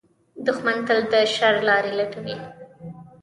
دښمن تل د شر لارې لټوي